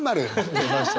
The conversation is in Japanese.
出ました。